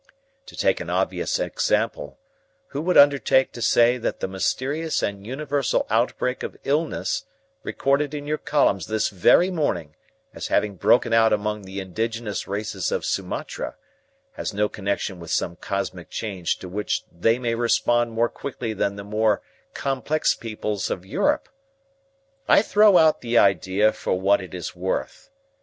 To take an obvious example, who would undertake to say that the mysterious and universal outbreak of illness, recorded in your columns this very morning as having broken out among the indigenous races of Sumatra, has no connection with some cosmic change to which they may respond more quickly than the more complex peoples of Europe? I throw out the idea for what it is worth.